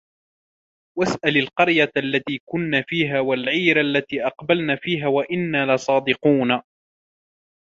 وَاسْأَلِ الْقَرْيَةَ الَّتِي كُنَّا فِيهَا وَالْعِيرَ الَّتِي أَقْبَلْنَا فِيهَا وَإِنَّا لَصَادِقُونَ